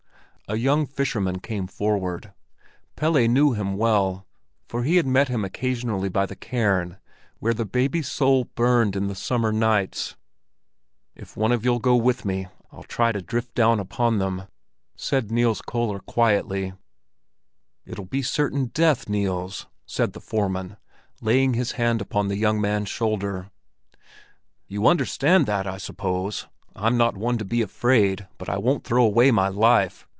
A young fisherman came forward. Pelle knew him well, for he had met him occasionally by the cairn where the baby's soul burned in the summer nights. "If one of you'll go with me, I'll try to drift down upon them!" said Niels Köller quietly. "It'll be certain death, Niels!" said the foreman, laying his hand upon the young man's shoulder. "You understand that, I suppose! I'm not one to be afraid, but I won't throw away my life.